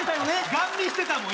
ガン見してたもん